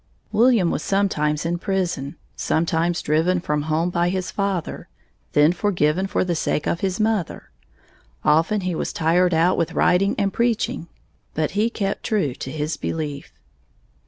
William was sometimes in prison, sometimes driven from home by his father, then forgiven for the sake of his mother; often he was tired out with writing and preaching, but he kept true to his belief.